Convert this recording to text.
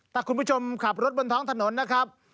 ถ้าคุณผู้ชมขับรถบนท้องถนนนะครับ